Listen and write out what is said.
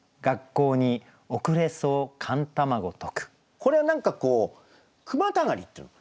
これは何かこう「句またがり」っていうの。